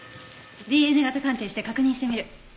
ＤＮＡ型鑑定して確認してみる。